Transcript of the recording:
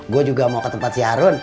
gue juga mau ke tempat si harun